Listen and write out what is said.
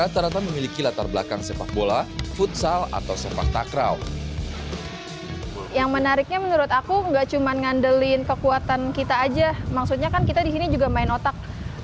teknya menurut aku gak cuma ngandelin kekuatan kita aja maksudnya kan kita disini juga main otak